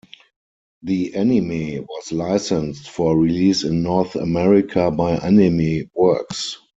The anime was licensed for release in North America by Anime Works.